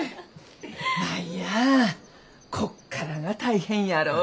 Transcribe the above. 舞やこっからが大変やろう。